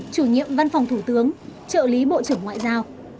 chủ nhiệm văn phòng thủ tướng trợ lý bộ trưởng ngoại giao